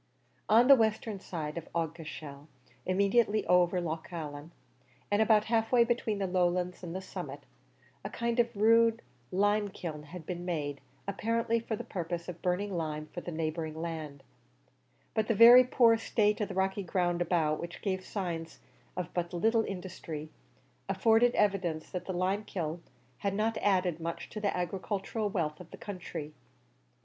On the western side of Aughacashel, immediately over Loch Allen, and about half way between the lowlands and the summit, a kind of rude limekiln had been made, apparently for the purpose of burning lime for the neighbouring land; but the very poor state of the rocky ground about, which gave signs of but little industry, afforded evidence that the limekiln had not added much to the agricultural wealth of the country.